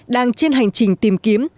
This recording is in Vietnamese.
đang trên hành trình tìm kiếm